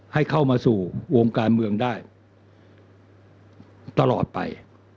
ให้เข้ามาสู่วงการเมืองได้ตลอดไป